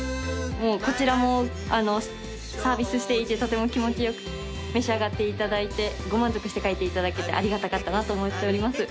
こちらもサービスしていてとても気持ちよく召し上がっていただいてご満足して帰っていただけてありがたかったなと思っております。